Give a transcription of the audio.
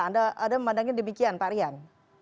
anda memandangnya demikian pak rian